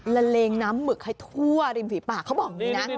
ละเลงน้ำหมึกให้ทั่วริมฝีปากเขาบอกอย่างนี้นะ